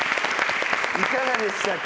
いかがでしたか？